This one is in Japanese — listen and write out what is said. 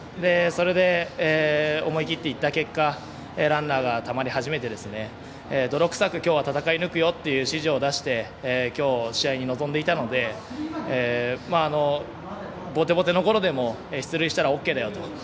それで、思い切っていった結果ランナーがたまり始めて泥臭くきょうは戦い抜くよという指示を出して試合に臨んでいたのでボテボテのゴロでも出塁したらＯＫだよと。